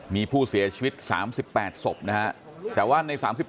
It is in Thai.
มีผู้เสียชีวิต๓๘ศพนะฮะแต่ว่าใน๓๗